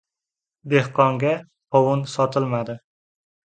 • Dehqonga qovun sotilmaydi.